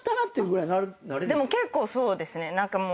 でも結構そうですね。